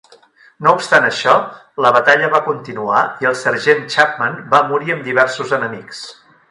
No obstant això, la batalla va continuar i el sergent Chapman va morir amb diversos enemics.